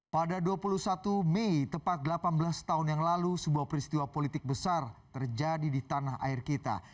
pada dua puluh satu mei tepat delapan belas tahun yang lalu sebuah peristiwa politik besar terjadi di tanah air kita